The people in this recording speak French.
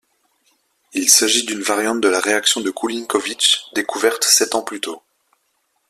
Il s’agit d’une variante de la réaction de Kulinkovich, découverte sept ans plus tôt.